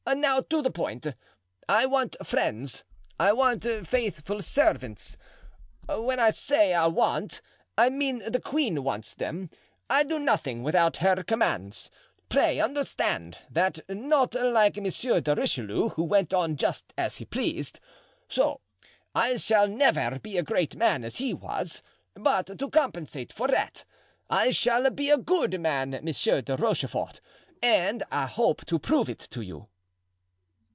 "Now to the point. I want friends; I want faithful servants. When I say I want, I mean the queen wants them. I do nothing without her commands—pray understand that; not like Monsieur de Richelieu, who went on just as he pleased. So I shall never be a great man, as he was, but to compensate for that, I shall be a good man, Monsieur de Rochefort, and I hope to prove it to you."